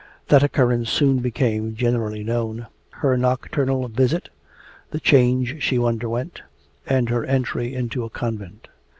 That occurrence soon became generally known her nocturnal visit, the change she underwent, and her entry into a convent.